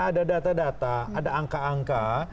ada data data ada angka angka